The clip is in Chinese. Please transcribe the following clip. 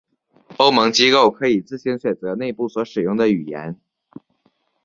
欧盟机构可以自行选择内部所使用的语言。